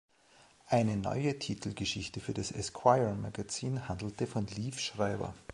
Eine neue Titelgeschichte für das Esquire-Magazin handelte von Liev Schreiber.